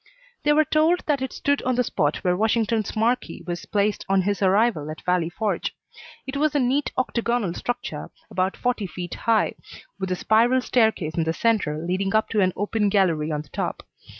They were told that it stood on the spot where Washington's marquee was placed on his arrival at Valley Forge. It was a neat octagonal structure about forty feet high, with a spiral staircase in the centre leading up to an open gallery on the top.